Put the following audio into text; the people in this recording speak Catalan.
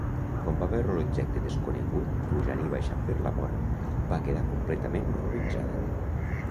Quan va veure l'objecte desconegut pujant i baixant per la vora, va quedar completament horroritzada.